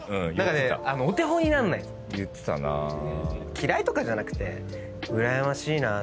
嫌いとかじゃなくてうらやましいなっていう。